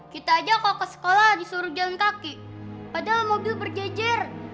kita aja kalau ke sekolah disuruh jalan kaki padahal mobil berjejer